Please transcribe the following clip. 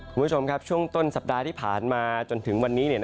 คุณผู้ชมครับช่วงต้นสัปดาห์ที่ผ่านมาจนถึงวันนี้